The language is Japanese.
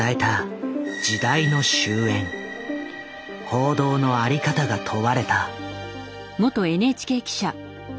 報道の在り方が問われた。